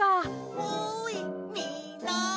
・おいみんな！